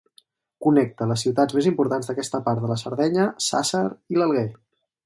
Connecta les ciutats més importants d'aquesta part de la Sardenya, Sàsser i l'Alguer.